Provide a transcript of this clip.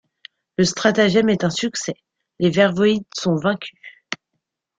Le stratagème est un succès, les Vervoids sont vaincus.